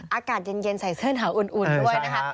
อากาศเย็นใส่เสื้อหนาวอุ่นด้วยนะคะ